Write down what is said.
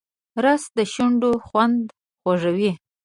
رس د شونډو خوند خوږوي